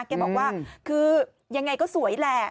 แกบอกว่าคือยังไงก็สวยแหละ